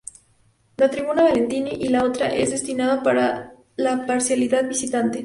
La tribuna "Valentini" y la otra es destinada para la parcialidad visitante.